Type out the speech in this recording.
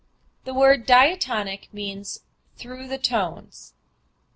The word diatonic means "through the tones" (_i.e.